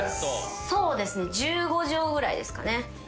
そうですね１５帖ぐらいですかね。